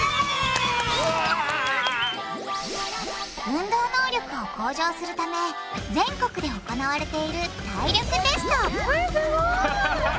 運動能力を向上するため全国で行われている体力テストこれすごい！